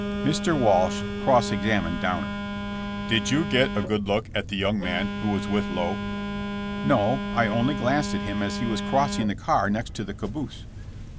Mr. Walsh cross examined Downer: "Did you get a good look at the young man who was with Lowe?" "No; I only glanced at him as he was crossing the car next to the caboose."